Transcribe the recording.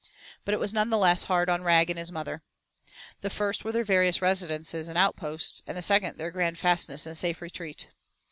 But it was none the less hard on Rag and his mother. The first were their various residences and outposts, and the second their grand fastness and safe retreat.